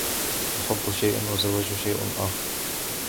الحب شيء و الزواج شيء آخر.